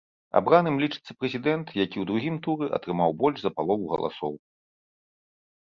Абраным лічыцца прэзідэнт, які ў другім туры атрымаў больш за палову голасу.